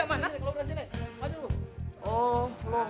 kalau beras ini kalau beras sini